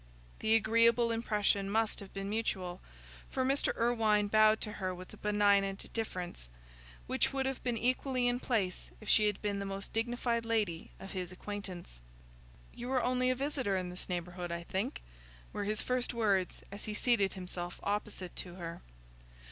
The agreeable impression must have been mutual, for Mr. Irwine bowed to her with a benignant deference, which would have been equally in place if she had been the most dignified lady of his acquaintance. "You are only a visitor in this neighbourhood, I think?" were his first words, as he seated himself opposite to her.